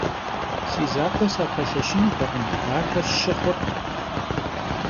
Si zakhue sapelheşınutekhım, axer şı xhurt.